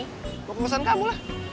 mau ke kawasan kamu lah